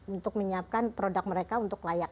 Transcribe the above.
untuk menyiapkan produk mereka untuk layak